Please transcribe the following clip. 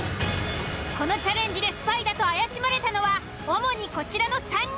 このチャレンジでスパイだと怪しまれたのは主にこちらの３人。